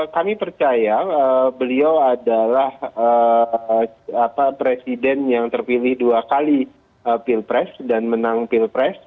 kami percaya beliau adalah presiden yang terpilih dua kali pilpres dan menang pilpres